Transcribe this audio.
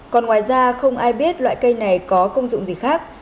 còn ngoài ra không ai biết loại cây này có công dụng gì khác